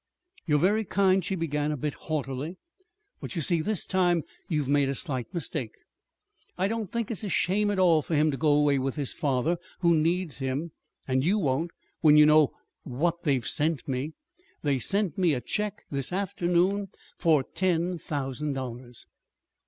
"You're very kind," she began, a bit haughtily; "but, you see, this time you have made a slight mistake. I don't think it's a shame at all for him to go away with his father who needs him; and you won't, when you know what they've sent me. They sent me a check this afternoon for ten thousand dollars."